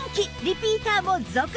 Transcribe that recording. リピーターも続出！